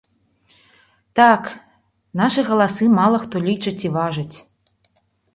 Так, нашы галасы мала хто лічыць і важыць.